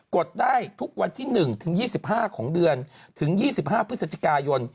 ดได้ทุกวันที่๑ถึง๒๕ของเดือนถึง๒๕พฤศจิกายน